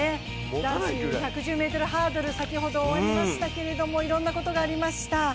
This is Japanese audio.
男子１１０ｍハードル、先ほど終わりましたけれどもいろんなことがありました。